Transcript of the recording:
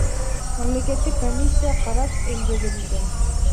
Мамлекеттик комиссия карап, элге берилген.